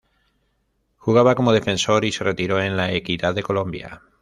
Jugaba como defensor y se retiró en La Equidad de Colombia.